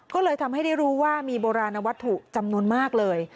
ก็เลยทำให้ได้รู้ว่ามีโบราณวัตถุจำนวนมากเลย